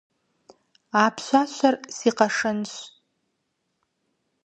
А пщащэр си къэшэнщ.